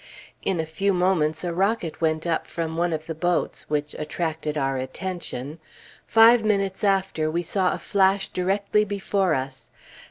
In a few moments a rocket went up from one of the boats, which attracted our attention. Five minutes after, we saw a flash directly before us.